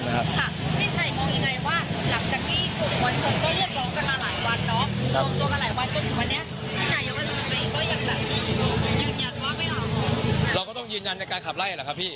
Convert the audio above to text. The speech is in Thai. เราก็ต้องยืนยันในการขับไล่แหละครับพี่